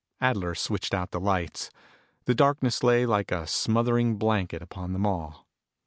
Adler switched out the lights. The darkness lay like a smothering blanket upon them all.